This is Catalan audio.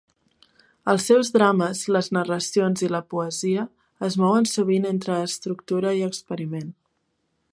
Els seus drames, les narracions i la poesia es mouen sovint entre estructura i experiment.